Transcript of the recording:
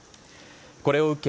これを受け